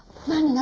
何？